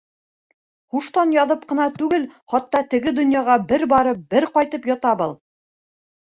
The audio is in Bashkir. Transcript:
Һуштан яҙып ҡына түгел, хатта теге донъяға бер барып, бер ҡайтып ята был.